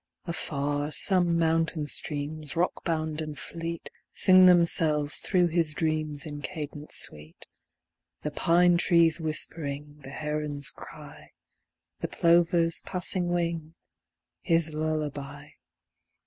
Afar some mountain streams, rockbound and fleet, Sing themselves through his dreams in cadence sweet, The pine trees whispering, the heron's cry, The plover's passing wing, his lullaby.